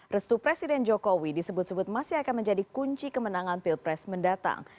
restu presiden jokowi disebut sebut masih akan menjadi kunci kemenangan pilpres mendatang